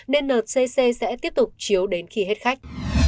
nên ncc sẽ tiếp tục chiếu đến khi hết khách